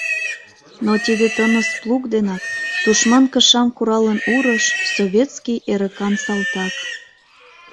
Но тиде тыныс плуг денак Тушман кышам куралын урыш Советский эрыкан салтак!